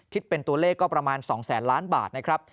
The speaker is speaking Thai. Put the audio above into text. คิดเป็นตัวเลขก็ประมาณ๒แสนล้านบาทนะครับ